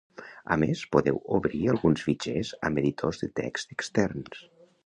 A més, podeu obrir alguns fitxers amb editors de text externs.